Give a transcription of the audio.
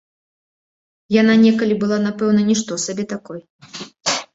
Яна некалі была напэўна нішто сабе такой.